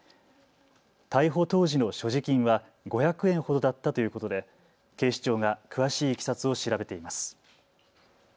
逮捕当時の所持金は５００円ほどだったということで警視庁が詳しいいきさつを調べています。